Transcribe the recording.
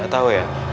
gak tau ya